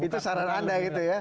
itu saran anda gitu ya